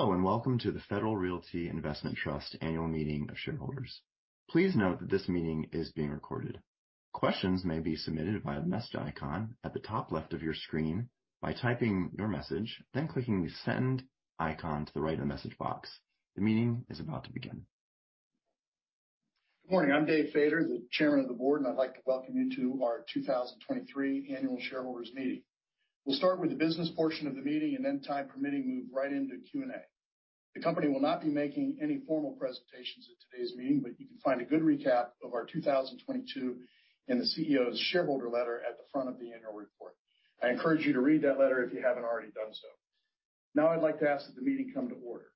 Hello and welcome to the Federal Realty Investment Trust Annual Meeting of Shareholders. Please note that this meeting is being recorded. Questions may be submitted via the message icon at the top left of your screen by typing your message, then clicking the send icon to the right of the message box. The meeting is about to begin. Good morning. I'm David Faeder, the Chairman of the Board, and I'd like to welcome you to our 2023 annual shareholders meeting. We'll start with the business portion of the meeting and then, time permitting, move right into Q&A. The company will not be making any formal presentations at today's meeting, but you can find a good recap of our 2022 in the CEO's shareholder letter at the front of the annual report. I encourage you to read that letter if you haven't already done so. Now I'd like to ask that the meeting come to order.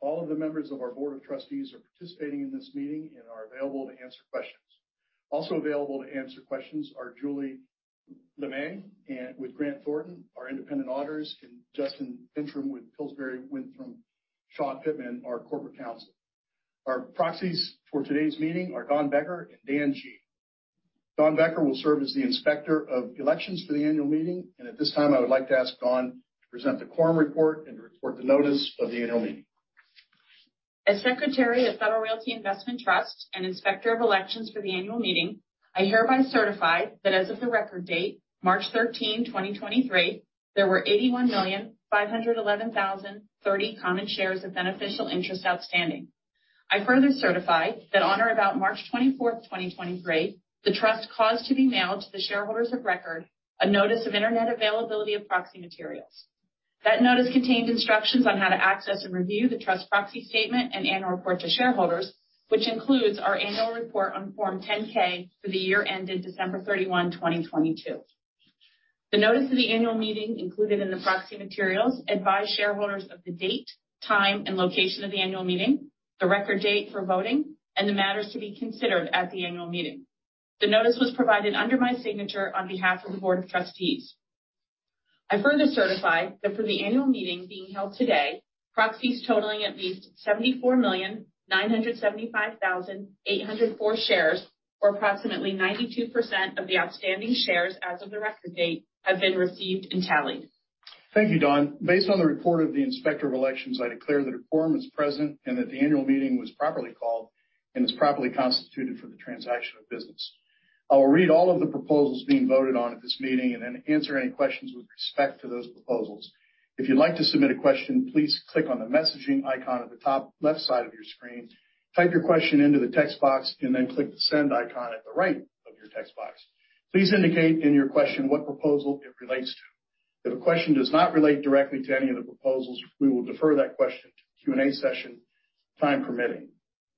All of the members of our Board of Trustees are participating in this meeting and are available to answer questions. Also available to answer questions are Julie LeMay and with Grant Thornton, our independent auditors, and Justin Binstrom with Pillsbury Winthrop Shaw Pittman, our corporate counsel. Our proxies for today's meeting are Dawn Becker and Dan Gee. Dawn Becker will serve as the inspector of elections for the annual meeting. At this time, I would like to ask Don to present the quorum report and to report the notice of the annual meeting. As Secretary of Federal Realty Investment Trust and Inspector of Elections for the annual meeting, I hereby certify that as of the record date, March 13, 2023, there were 81,511,030 common shares of beneficial interest outstanding. I further certify that on or about March 24, 2023, the trust caused to be mailed to the shareholders of record a notice of Internet availability of proxy materials. That notice contained instructions on how to access and review the trust proxy statement and annual report to shareholders, which includes our annual report on Form 10-K for the year ended December 31, 2022. The notice of the annual meeting included in the proxy materials advised shareholders of the date, time and location of the annual meeting, the record date for voting, and the matters to be considered at the annual meeting. The notice was provided under my signature on behalf of the board of trustees. I further certify that for the annual meeting being held today, proxies totaling at least 74,975,804 shares, or approximately 92% of the outstanding shares as of the record date, have been received and tallied. Thank you, Don. Based on the report of the Inspector of Elections, I declare that a quorum is present and that the annual meeting was properly called and is properly constituted for the transaction of business. I will read all of the proposals being voted on at this meeting and then answer any questions with respect to those proposals. If you'd like to submit a question, please click on the messaging icon at the top left side of your screen, type your question into the text box, and then click the send icon at the right of your text box. Please indicate in your question what proposal it relates to. If a question does not relate directly to any of the proposals, we will defer that question to the Q&A session, time permitting.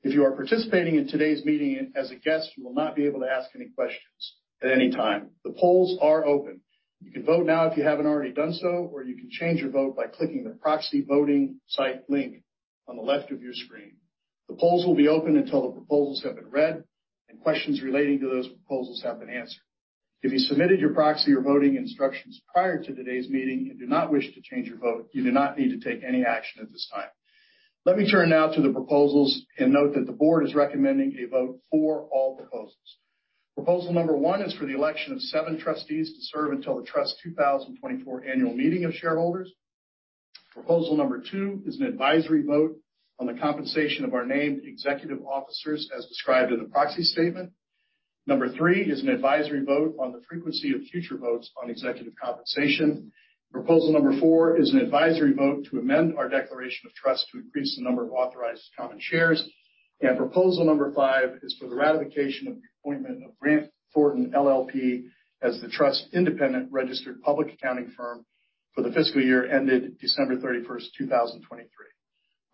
If you are participating in today's meeting as a guest, you will not be able to ask any questions at any time. The polls are open. You can vote now if you haven't already done so, or you can change your vote by clicking the proxy voting site link on the left of your screen. The polls will be open until the proposals have been read and questions relating to those proposals have been answered. If you submitted your proxy or voting instructions prior to today's meeting and do not wish to change your vote, you do not need to take any action at this time. Let me turn now to the proposals and note that the board is recommending a vote for all proposals. Proposal number one is for the election of seven trustees to serve until the Trust 2024 annual meeting of shareholders. Proposal number two is an advisory vote on the compensation of our named executive officers as described in the proxy statement. Number three is an advisory vote on the frequency of future votes on executive compensation. Proposal number four is an advisory vote to amend our declaration of trust to increase the number of authorized common shares. Proposal number five is for the ratification of the appointment of Grant Thornton LLP as the Trust's independent registered public accounting firm for the fiscal year ended December 31st, 2023.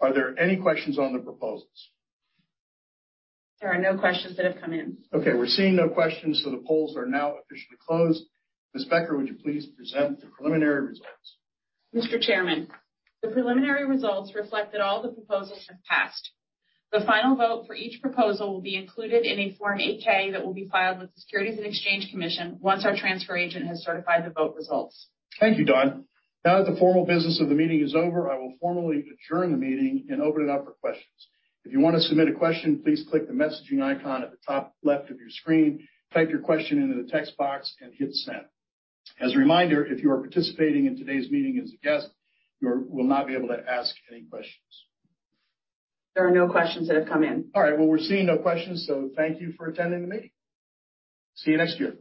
Are there any questions on the proposals? There are no questions that have come in. Okay, we're seeing no questions, so the polls are now officially closed. Ms. Becker, would you please present the preliminary results? Mr. Chairman, the preliminary results reflect that all the proposals have passed. The final vote for each proposal will be included in a Form 8-K that will be filed with the Securities and Exchange Commission once our transfer agent has certified the vote results. Thank you, Dawn. Now that the formal business of the meeting is over, I will formally adjourn the meeting and open it up for questions. If you wanna submit a question, please click the messaging icon at the top left of your screen, type your question into the text box and hit Send. As a reminder, if you are participating in today's meeting as a guest, you will not be able to ask any questions. There are no questions that have come in. All right. Well, we're seeing no questions, so thank you for attending the meeting. See you next year.